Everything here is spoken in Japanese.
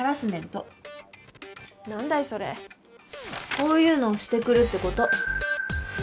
こういうのをしてくるってこと。